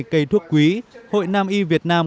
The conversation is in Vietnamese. cây thuốc quý hội nam y việt nam